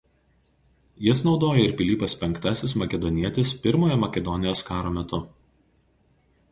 Jas naudoja ir Pilypas V Makedonietis Pirmojo Makedonijos karo metu.